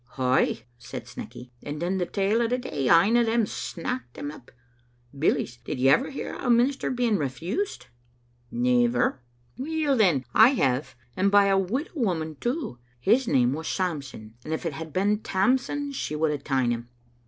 "Ay," said Snecky; "and in the tail o' the day ane o' them snacked him up. Billies, did you ever hear o' a minister being refused?" "Never." "Weel, then, I have; and by a widow woman too. His name was Samson, and if it had been Tamson she would hae ta'en him.